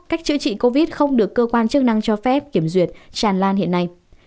cách chữa trị covid không được cơ quan chức năng cho phép kiểm duyệt tràn lan hiện nay